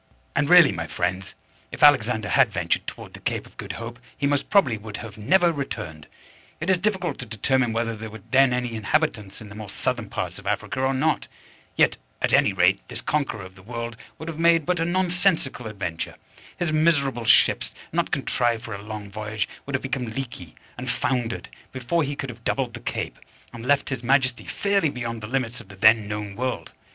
And really, my friends, if Alexander had ventured toward the Cape of Good Hope he most probably would have never returned. It is difficult to determine whether there were then any inhabitants in the more southern parts of Africa or not; yet, at any rate, this conqueror of the world would have made but a nonsensical adventure; his miserable ships, not contrived for a long voyage, would have become leaky, and foundered, before he could have doubled the Cape, and left his Majesty fairly beyond the limits of the then known world.